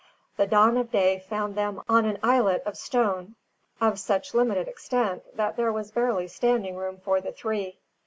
The dawn of day found them on an islet of stone, of such limited extent that there was barely standing room for the three.